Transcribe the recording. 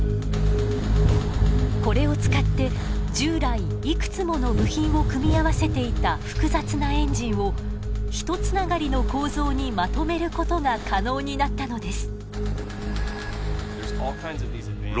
これを使って従来いくつもの部品を組み合わせていた複雑なエンジンをひとつながりの構造にまとめることが可能になったのです。